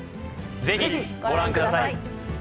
ぜひご覧ください。